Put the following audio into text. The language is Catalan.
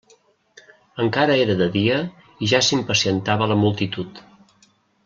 Encara era de dia i ja s'impacientava la multitud.